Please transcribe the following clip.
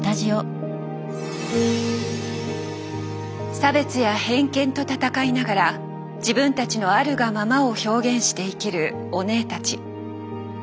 差別や偏見と闘いながら自分たちのあるがままを表現して生きるオネエたち。